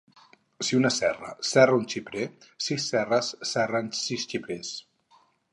Si una serra serra un xiprer, sis serres serren sis xiprers